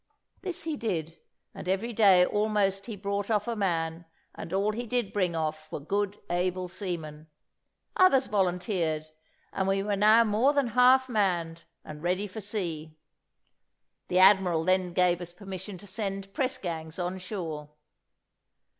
This he did, and every day almost he brought off a man, and all he did bring off were good able seamen. Others volunteered, and we were now more than half manned, and ready for sea. The admiral then gave us permission to send pressgangs on shore.